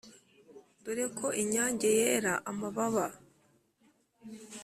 Dore ko inyange yera amababa